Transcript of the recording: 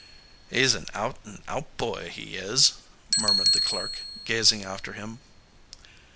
"He's an out and out boy, he is," murmured the clerk, gazing after him.